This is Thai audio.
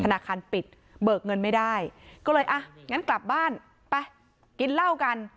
ธนาคารปิดเบิกเงินไม่ได้ก็เลยอ่ะงั้นกลับบ้านไปกินเหล้ากัน